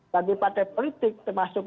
bagi partai politik termasuk